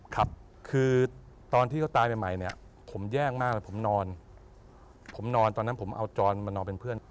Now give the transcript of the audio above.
ครับคือตอนที่เขาตายใหม่เนี่ยผมแย่งมากเลยผมนอนผมนอนตอนนั้นผมเอาจรมานอนเป็นเพื่อน